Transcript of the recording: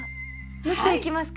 縫っていきますか。